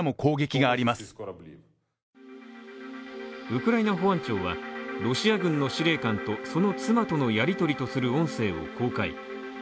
ウクライナ保安庁は、ロシア軍の司令官とその妻とのやりとりとする音声を公開。